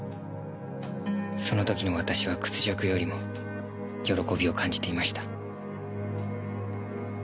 その時の私は屈辱よりも喜びを感じていました。